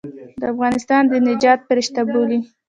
د افغانستان د نجات فرشته بولي.